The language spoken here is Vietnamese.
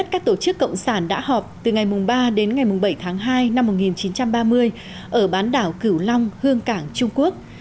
các tổ chức cộng sản đã họp từ ngày ba đến ngày bảy tháng hai năm một nghìn chín trăm ba mươi ở bán đảo cửu long hương cảng trung quốc